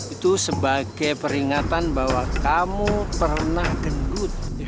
itu sebagai peringatan bahwa kamu pernah gendut